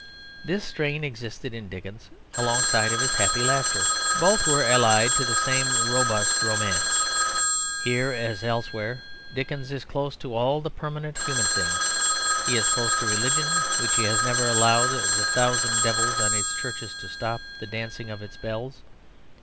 This strain existed in Dickens alongside of his happy laughter; both were allied to the same robust romance. Here as elsewhere Dickens is close to all the permanent human things. He is close to religion, which has never allowed the thousand devils on its churches to stop the dancing of its bells.